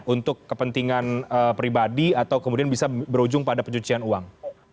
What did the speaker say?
untuk kepentingan pribadi atau kemudian bisa berujung pada pencucian uang